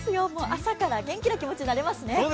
朝から元気な気持ちになりますね。